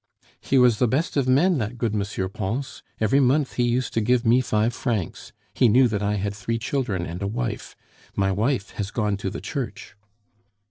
"He was the best of men, that good M. Pons. Every month he use to give me five francs.... He knew that I had three children and a wife. My wife has gone to the church."